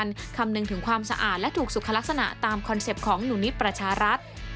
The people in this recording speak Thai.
คำนึงถึงความสะอาดและถูกสุขลักษณะตามคอนเซ็ปต์ของหนูนิดประชารัฐ